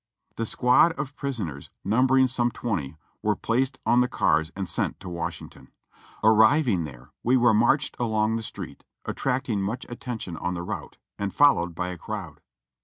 The squad of prisoners, numbering some twenty, were placed on the cars and sent to Washington. Arriving there we were marched along the street, attracting much attention on the route, and followed by a crowd.